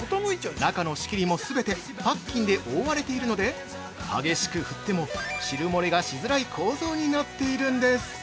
中の仕切りも、全てパッキンで覆われているので、激しく振っても、汁漏れがしづらい構造になっているんです。